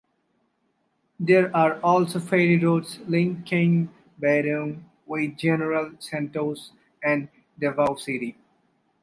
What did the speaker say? There are also ferry routes linking Bitung with General Santos and Davao City.